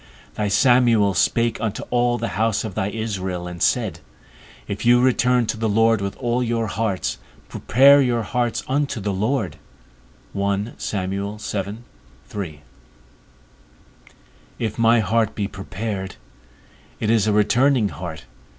Thy Samuel spake unto all the house of thy Israel, and said, If you return to the Lord with all your hearts, prepare your hearts unto the Lord. If my heart be prepared, it is a returning heart.